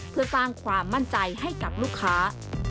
เพื่อสร้างความมั่นใจให้กับลูกค้า